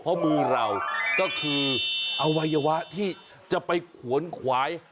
เพราะมือเราก็คืออวัยวะที่จะไปขวนขวาย